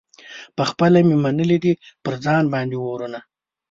پخپله مي منلي دي پر ځان باندي اورونه